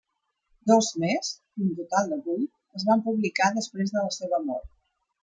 Dos més, d'un total de vuit, es van publicar després de la seva mort.